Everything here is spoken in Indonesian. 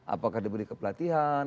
apakah diberi kepelatihan